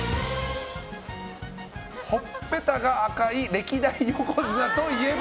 ほっぺたが赤い歴代横綱といえば？